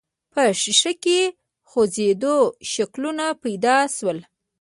په ښيښه کې خوځنده شکلونه پيدا شول.